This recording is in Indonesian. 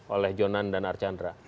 oleh jonan dan archandra